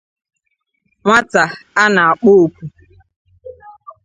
Nwata a na-akpọ oku